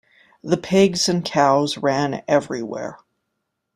The pigs and cows ran everywhere.